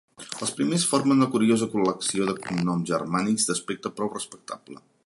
Els primers formen una curiosa col·lecció de cognoms germànics d'aspecte prou respectable.